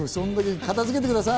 片付けてください。